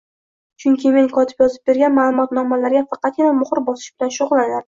Chunki men kotib yozib bergan ma`lumotnomalarga faqatgina muhr bosish bilan shug`ullanardim